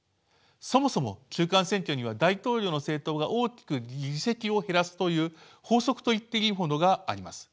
そもそも中間選挙には大統領の政党が大きく議席を減らすという法則といっていいものがあります。